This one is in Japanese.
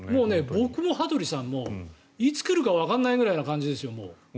僕も羽鳥さんもいつ来るかわからないような感じですよ。